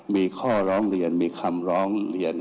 มีข้อร้องเรียนมีคำร้องเรียน